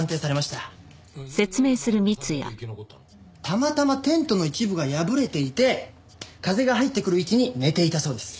たまたまテントの一部が破れていて風が入ってくる位置に寝ていたそうです。